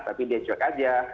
tapi dia cek saja